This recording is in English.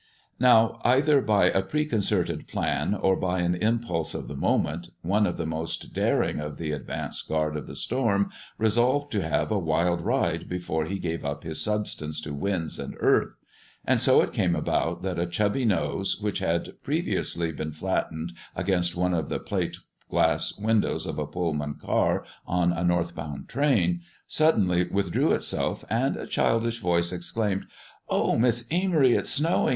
Now, either by a preconcerted plan or by an impulse of the moment, one of the most daring of the advance guard of the storm resolved to have a wild ride before he gave up his substance to winds and earth; and so it came about that a chubby nose, which had previously been flattened against one of the plate glass windows of a Pullman car on a northbound train, suddenly withdrew itself, and a childish voice exclaimed, "Oh, Miss Amory, it's snowing!